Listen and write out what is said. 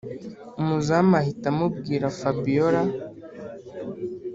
umuzamu ahita amubwira fabiora